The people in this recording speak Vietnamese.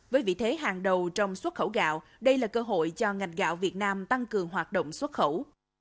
với vị thế hàng đầu trong xuất khẩu gạo đây là cơ hội cho ngành gạo việt nam tăng cường hoạt động xuất khẩu